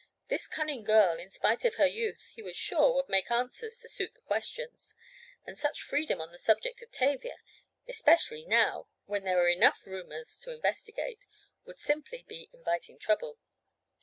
This cunning girl, in spite of her youth, he was sure, would make answers to suit the questions, and such freedom on the subject of Tavia (especially, now, when there were enough rumors to investigate), would simply be inviting trouble.